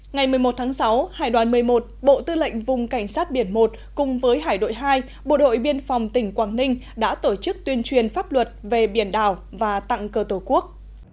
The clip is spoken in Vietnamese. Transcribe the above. ngày một mươi một tháng sáu hải đoàn một mươi một bộ tư lệnh vùng cảnh sát biển một cùng với hải đội hai bộ đội biên phòng tỉnh quảng ninh đã tổ chức tuyên truyền pháp luật về biển đảo và tặng cơ tổ quốc